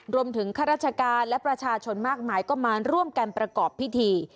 ข้าราชการและประชาชนมากมายก็มาร่วมกันประกอบพิธี